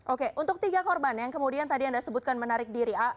oke untuk tiga korban yang kemudian tadi anda sebutkan menarik diri